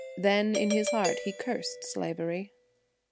Then in his heart he cursed slavery.